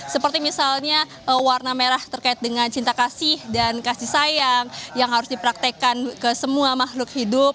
seperti misalnya warna merah terkait dengan cinta kasih dan kasih sayang yang harus dipraktekan ke semua makhluk hidup